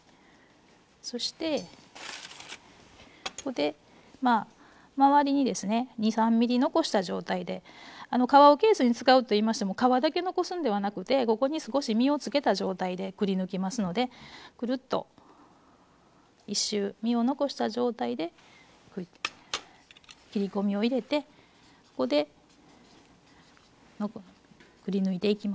そしてここで周りにですね２３ｍｍ残した状態であの皮をケースに使うといいましても皮だけ残すんではなくてここに少し身を付けた状態でくりぬきますのでくるっと１周身を残した状態で切り込みを入れてここでくりぬいていきますね。